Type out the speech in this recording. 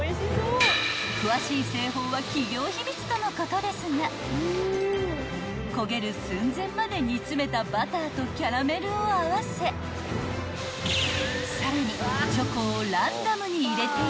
［詳しい製法は企業秘密とのことですが焦げる寸前まで煮詰めたバターとキャラメルを合わせさらに］